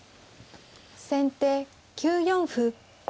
先手９四歩。